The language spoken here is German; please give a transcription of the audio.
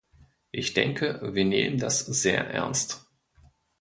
Ich denke, wir nehmen das sehr ernst.